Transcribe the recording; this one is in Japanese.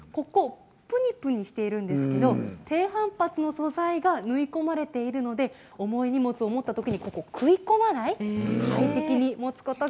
ぷにぷにしているんですけれど低反発の素材が縫い込まれているので重い物を持ったときに食い込まれない。